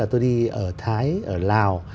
tôi đi ở thái ở lào